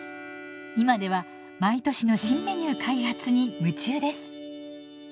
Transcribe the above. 今では毎年の新メニュー開発に夢中です。